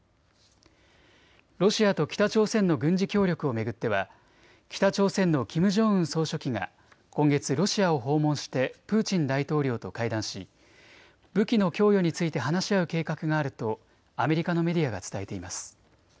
ロシアと北朝鮮の軍事協力を巡っては北朝鮮のキム・ジョンウン総書記が今月、ロシアを訪問してプーチン大統領と会談し武器の供与について話し合う計画があるとアメリカのメディアが伝えています。